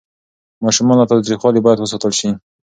ماشومان له تاوتریخوالي باید وساتل شي.